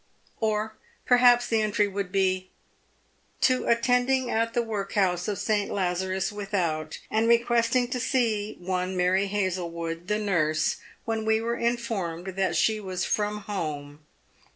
Or, perhaps, the entry would be, u To attending at the workhouse of St. Lazarus "Without, and requesting to see one Mary Hazlewood, the nurse, when we were informed that she was from home.